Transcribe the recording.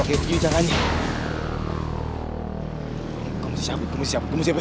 masalah kalau kayak gitu jangan aja